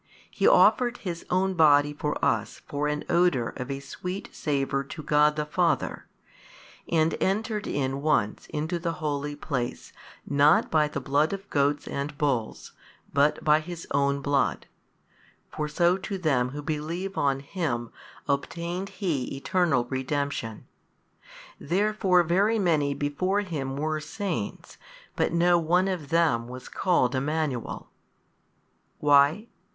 He offered His own Body for us for an odour of a sweet savour to God the Father, and entered in once into the holy place not by the blood of goats and hulls, but by His own Blood, for so to them who believe on Him obtained He eternal redemption. Therefore very many before Him were saints but no one of them was called Emmanuel. Why?